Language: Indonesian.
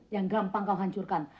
yang gampang kau hancurkan